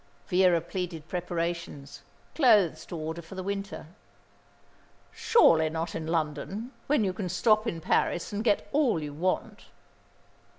Vera pleaded preparations clothes to order for the winter. "Surely not in London, when you can stop in Paris and get all you want."